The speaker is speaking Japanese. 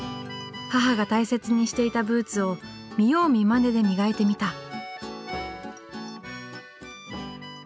母が大切にしていたブーツを見よう見まねで磨いてみた。